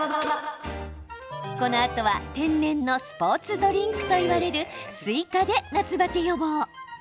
このあとは天然のスポーツドリンクといわれる、スイカで夏バテ予防。